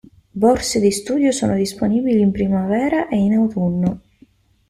Borse di studio sono disponibili in primavera e in autunno.